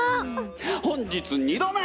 本日２度目！